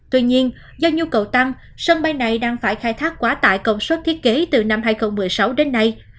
tuy nhiên do nhu cầu tăng sân bay này đang phải khai thác quá tải công suất thiết kế từ năm hai nghìn một mươi sáu đến nay